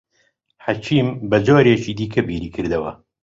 حەکیم بە جۆرێکی دیکە بیری کردەوە.